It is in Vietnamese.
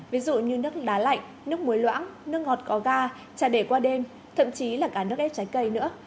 ví dụ như nước đá lạnh nước muối loãng nước ngọt có ga trà để qua đêm thậm chí là cả nước ép trái cây nữa